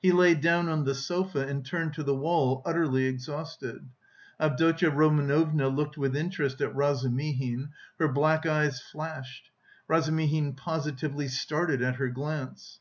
He lay down on the sofa, and turned to the wall, utterly exhausted. Avdotya Romanovna looked with interest at Razumihin; her black eyes flashed; Razumihin positively started at her glance.